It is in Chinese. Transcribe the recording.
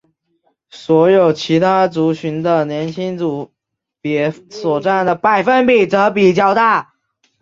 所有其他族群的年轻组别所占的百分比则比较大。